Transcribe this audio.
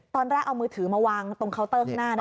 ตอนแรกเอามือถือมาวางตรงเคาน์เตอร์ข้างหน้านะ